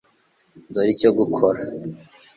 Dore icyo gukora .